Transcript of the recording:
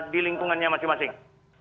di lingkungannya masing masing